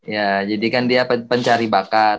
ya jadi kan dia pencari bakat